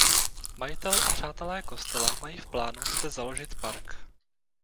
Majitel a přátelé kostela mají v plánu zde založit park.